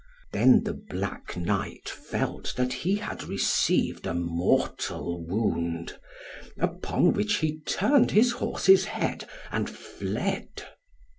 Then the black Knight felt that he had received a mortal wound, upon which he turned his horse's head, and fled.